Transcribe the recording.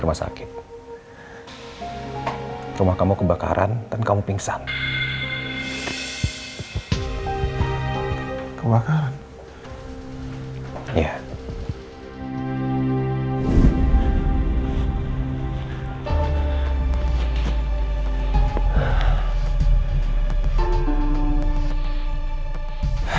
hasil tes dna itu pasti salah